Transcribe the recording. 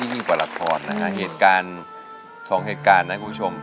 ยิ่งกว่าละครนะฮะเหตุการณ์สองเหตุการณ์นะคุณผู้ชม